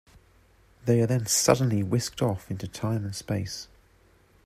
They are then suddenly whisked off into time and space.